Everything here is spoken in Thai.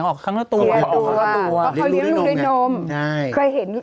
เขาออกข้างหน้าตัวเพราะเขาเลี้ยงลูกด้วยนม